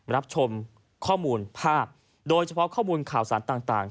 รับชมข้อมูลภาพโดยเฉพาะข้อมูลข่าวสารต่าง